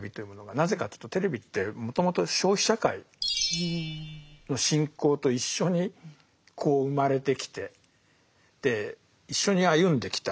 なぜかというとテレビってもともと消費社会の進行と一緒にこう生まれてきてで一緒に歩んできた。